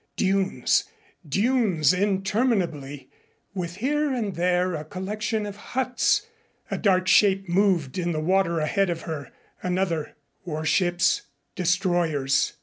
Dunes, dunes interminably, with here and there a collection of huts. A dark shape moved in the water ahead of her, another Warships? Destroyers.